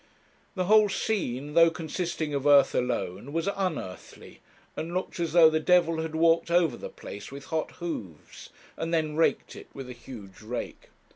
The whole scene, though consisting of earth alone, was unearthly, and looked as though the devil had walked over the place with hot hoofs, and then raked it with a huge rake.